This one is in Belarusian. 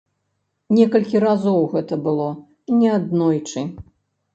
Некалькі разоў гэта было, неаднойчы.